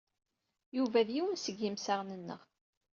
Yuba d yiwen seg yemsaɣen-nneɣ.